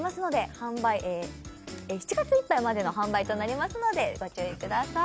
７月いっぱいまでの販売となりますのでご注意ください